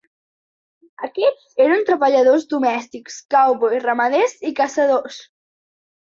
Aquests eren treballadors domèstics, cowboys, ramaders i caçadors.